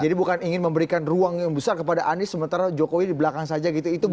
jadi bukan ingin memberikan ruang yang besar kepada anies sementara jokowi di belakang saja gitu